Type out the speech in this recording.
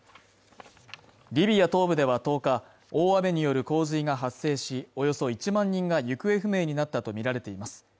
リビア東部では１０日大雨による洪水が発生しおよそ１万人が行方不明になったとみられています